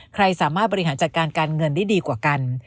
ใครสามารถบริหารจัดการการเงินได้ดีกว่ากัน